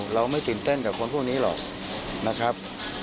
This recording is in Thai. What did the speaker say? เราไม่ตื่นเต้นกับคนพวกนี้หรอกนะครับ